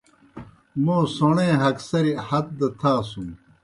موں سوݨے ہگسریْ ہت دہ تھاسُن۔